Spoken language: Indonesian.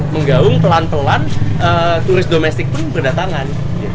menggaung pelan pelan turis domestik pun berdatangan